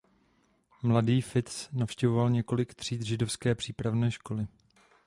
Mladý Fritz navštěvoval několik tříd židovské přípravné školy.